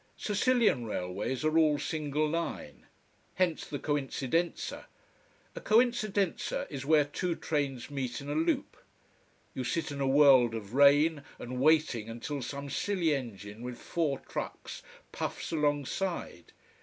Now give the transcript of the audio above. Sicilian railways are all single line. Hence, the coincidenza. A coincidenza is where two trains meet in a loop. You sit in a world of rain and waiting until some silly engine with four trucks puffs alongside.